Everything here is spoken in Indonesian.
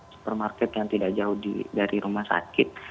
supermarket yang tidak jauh dari rumah sakit